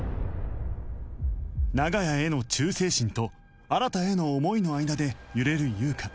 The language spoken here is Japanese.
長屋への忠誠心と新への思いの間で揺れる優香